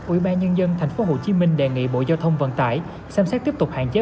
ủy ban nhân dân tp hcm đề nghị bộ giao thông vận tải xem xét tiếp tục hạn chế